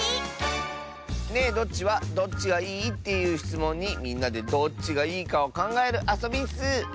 「ねえどっち？」は「どっちがいい？」っていうしつもんにみんなでどっちがいいかをかんがえるあそびッス。